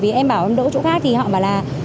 bởi vì em bảo em đỗ chỗ khác thì họ bảo là